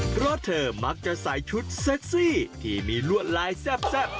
เพราะเธอมักจะใส่ชุดเซ็กซี่ที่มีลวดลายแซ่บ